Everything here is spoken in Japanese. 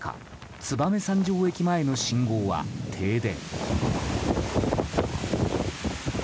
燕三条駅前の信号は停電。